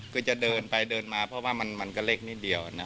คือจะเดินไปเดินมาเพราะว่ามันก็เล็กนิดเดียวนะ